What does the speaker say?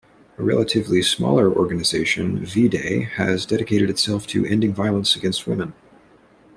A relatively smaller organization, V-Day, has dedicated itself to ending violence against women.